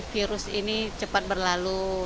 covid sembilan belas ini cepat berlalu